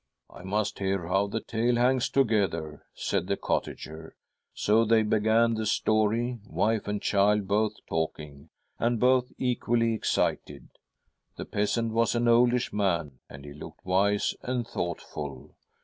' I must hear how that tale hangs together,' said the cottager. So they began the story, wife and child both talking, and both equally excited. The peasant was an oldish man, and he looked wise and thoughtful.